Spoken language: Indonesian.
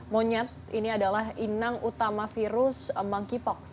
monyet ini adalah inang utama virus monkeypox